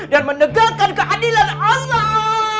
dan menegakkan keadilan allah